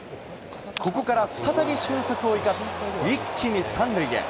ここから再び俊足を生かし、一気に３塁へ。